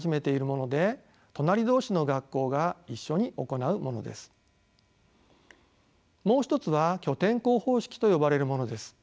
もう一つは拠点校方式と呼ばれるものです。